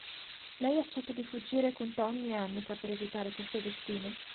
Lei accetta di fuggire con Tommy e Annika per evitare questo destino.